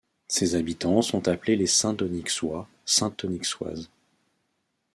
Ses habitants sont appelés les Saint-Aunixois, Sainte-Aunixoises.